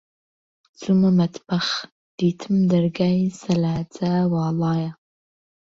چوومە مەتبەخ، دیتم دەرگای سەلاجە واڵایە.